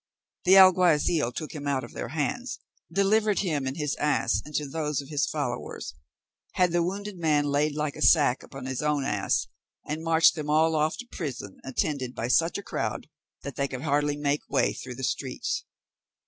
The alguazil took him out of their hands, delivered him and his ass into those of his followers, had the wounded man laid like a sack upon his own ass, and marched them all off to prison attended by such a crowd that they could hardly make way through the streets.